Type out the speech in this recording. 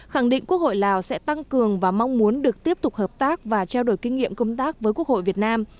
khẳng định quốc hội lào sẽ tăng cường và mong muốn được tiếp tục hợp tác và trao đổi kinh nghiệm công tác với quốc hội việt nam